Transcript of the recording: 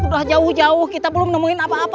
sudah jauh jauh kita belum menemuin apa apa